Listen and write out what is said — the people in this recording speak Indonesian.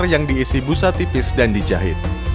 yang diisi busa tipis dan dijahit